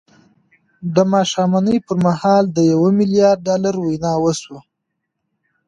د ماښامنۍ پر مهال د يوه ميليارد ډالرو وينا وشوه.